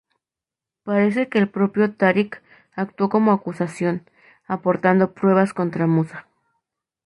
Parece que el propio Táriq actuó como acusación, aportando pruebas contra Musa.